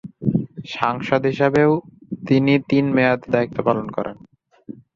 সাংসদ হিসাবেও তিনি তিন মেয়াদে দায়িত্ব পালন করেন।